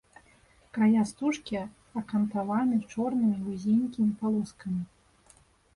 Края стужкі акантаваны чорнымі вузенькімі палоскамі.